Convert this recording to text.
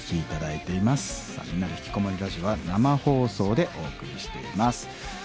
「みんなでひきこもりラジオ」は生放送でお送りしています。